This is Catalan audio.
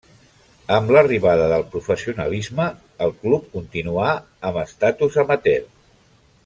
Amb l'arribada del professionalisme, el club continuà amb estatus amateur.